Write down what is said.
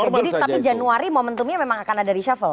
tapi januari momentumnya memang akan ada rizafel